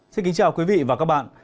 xin kính chào quý vị và các bạn